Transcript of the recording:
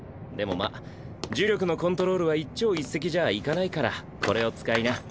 でもまっ呪力のコントロールは一朝一夕じゃいかないからこれを使いな。